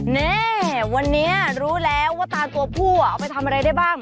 นี่วันนี้รู้แล้วว่าตาตัวผู้เอาไปทำอะไรได้บ้าง